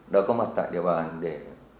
đã có mặt tại địa bàn để